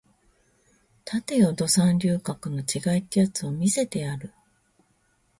立てよド三流格の違いってやつを見せてやる